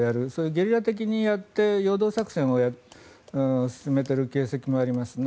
ゲリラ的にやって陽動作戦を進めている形跡もありますね。